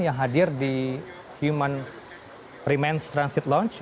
yang hadir di human remains transit launch